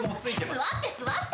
座って座って。